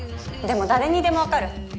でも誰にでもわかる。